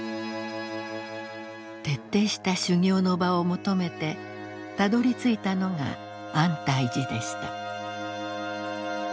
徹底した修行の場を求めてたどりついたのが安泰寺でした。